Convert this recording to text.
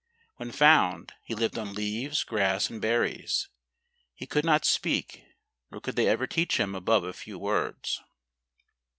When found, he lived on leaves, grass, and berries. He could not speak, nor could they ever teach him above a few words.